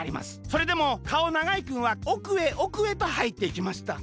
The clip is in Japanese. それでもかおながいくんはおくへおくへとはいっていきました。